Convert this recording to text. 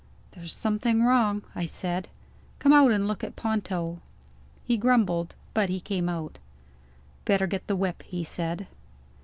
"There's something wrong," I said. "Come out and look at Ponto." He grumbled but he came out. "Better get the whip," he said.